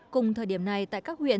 cùng thời điểm này tại các huyện